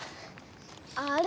あれ？